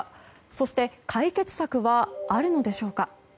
そして、解決策はあるのでしょうか。